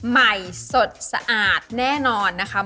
ใหม่สดสะอาดแน่นอนนะคะ